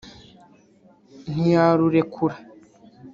ntiyarurekura